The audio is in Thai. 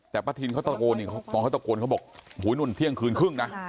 แต่ประทินเขาตะโกนเขาบอกหูยนั่นเที่ยงคืนครึ่งนะ